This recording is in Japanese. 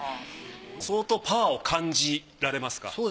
相当パワーを感じられますか？